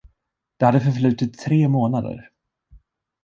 Det hade förflutit tre månader.